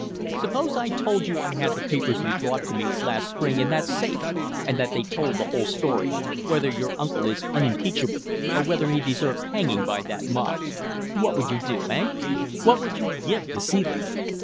Suppose I told you I had the papers you brought to me last spring in that safe and that they told the whole story whether your uncle is unimpeachable or whether he deserved hanging by that mob. What would you do, eh? What would you give to see them?